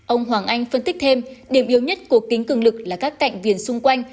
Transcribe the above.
ông hoàng anh phân tích thêm điểm yếu nhất của kính cường lực là các cạnh viền xung quanh